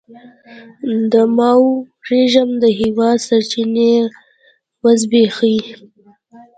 د ماوو رژیم د هېواد سرچینې وزبېښي.